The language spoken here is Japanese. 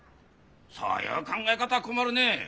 そういう考え方は困るね。